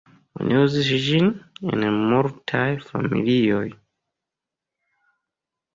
Oni uzis ĝin en multaj familioj.